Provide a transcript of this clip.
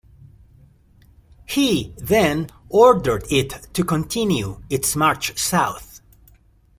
He then ordered it to continue its march south.